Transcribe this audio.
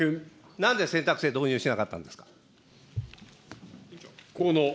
なぜ選択制、導入しなかったんですか。